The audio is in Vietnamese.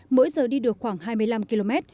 mỗi giờ đi được khoảng hai mươi năm km